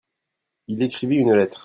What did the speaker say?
Il écrivit une lettre.